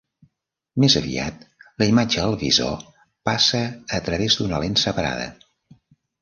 Més aviat, la imatge al visor passa a través d'una lent separada.